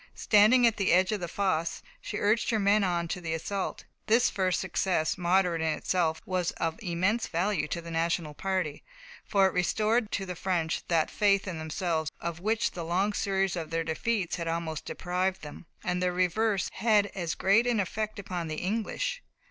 Standing at the edge of the fosse, she urged her men on to the assault. This first success, moderate in itself, was of immense value to the National party, for it restored to the French that faith in themselves of which the long series of their defeats had almost deprived them. And their reverse had as great an effect upon the English.